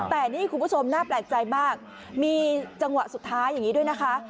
แต่นี่คุณผู้ชมน่าแปลกใจมากมีจังหวะสุดท้ายอย่างนี้ด้วยนะคะ